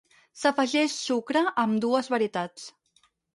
S'afegeix sucre a ambdues varietats.